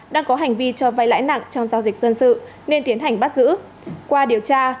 đang có hành vi cho vay lãi nặng trong giao dịch dân sự nên tiến hành bắt giữ qua điều tra